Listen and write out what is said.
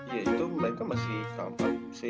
ya itu mereka masih kampanye